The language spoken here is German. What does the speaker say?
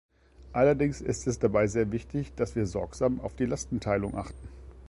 Allerdings ist es dabei sehr wichtig, dass wir sorgsam auf die Lastenteilung achten.